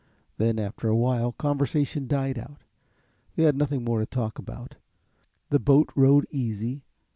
Then after a while, conversation died out. They had nothing more to talk about. The boat rode easy.